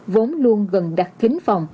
vốn luôn gần đặt thính phòng